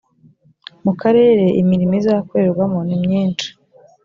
mukarere imirimo izakorerwamo nimyinshi